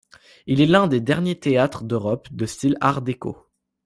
Il est un des derniers théâtre d'Europe de style Art déco.